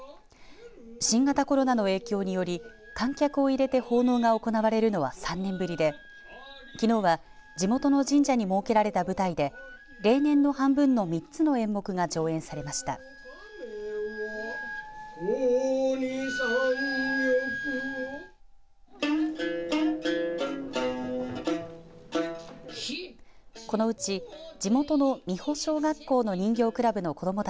新型コロナの影響により観客を入れて奉納が行われるのは３年ぶりできのうは地元の神社に設けられた舞台で例年の半分の３つの演目が上演されました。